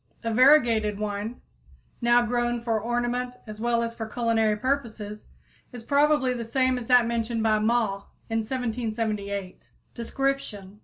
A variegated one, now grown for ornament as well as for culinary purposes, is probably the same as that mentioned by Mawe in 1778. _Description.